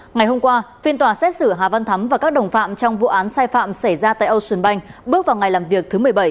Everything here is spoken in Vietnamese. ngày hôm qua phiên tòa xét xử hà văn thắm và các đồng phạm trong vụ án sai phạm xảy ra tại ocean bank bước vào ngày làm việc thứ một mươi bảy